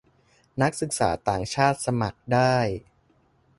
นักศึกษาต่างชาติสมัครได้